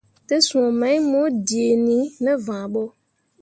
Tesũũ mai mo dǝǝni ne vããɓo.